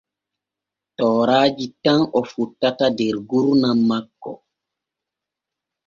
Tooraaji tan o fottata e gurdam makko.